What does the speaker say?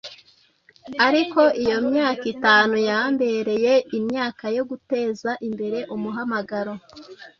Ariko iyo myaka itanu yambereye imyaka yo guteza imbere umuhamagaro